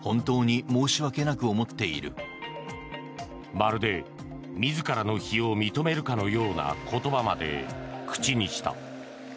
まるで自らの非を認めるかのような言葉まで口にした。